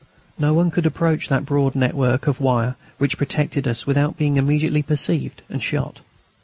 No one could approach the broad network of wire which protected us without being immediately perceived and shot.